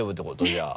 じゃあ。